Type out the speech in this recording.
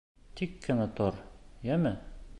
Тик кенә тор, йәме!